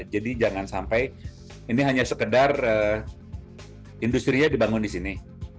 jadi jangan sampai ini hanya sekedar industri nya dibangun di sini